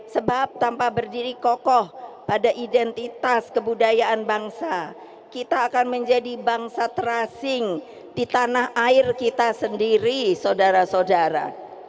sebab tanpa berdiri kokoh pada identitas kebudayaan bangsa kita akan menjadi bangsa terasing di tanah air kita sendiri saudara saudara